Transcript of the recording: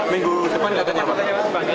minggu depan gak tanya apa apa